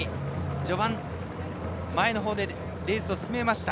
序盤、前の方でレースを進めました。